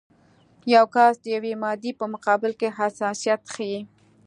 یو کس د یوې مادې په مقابل کې حساسیت ښیي.